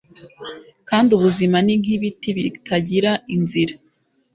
kandi ubuzima ni nkibiti bitagira inzira